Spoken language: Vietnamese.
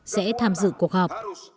sẽ tham dự cuộc họp